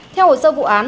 theo hồ sơ vụ án